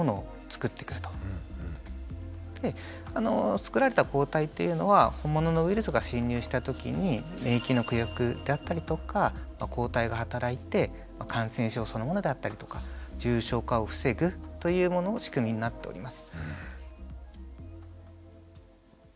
作られた抗体っていうのは本物のウイルスが侵入した時に免疫の記憶であったりとか抗体が働いて感染症そのものだったりとか重症化を防ぐという仕組みになっております。